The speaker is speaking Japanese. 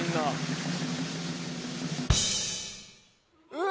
うわ